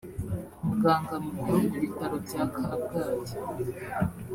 muganga mukuru ku bitaro bya Kabgayi